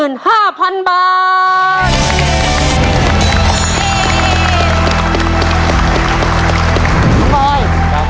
น้องบอย